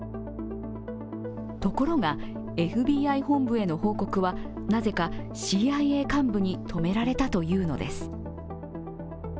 ところが、ＦＢＩ本部への報告はなぜかＣＩＡ幹部に止められたというのです。